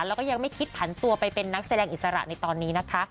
แล้วก็ยังไม่คิดผันตัวไปเป็นนักแสดงอิสระในตอนนี้นะคะ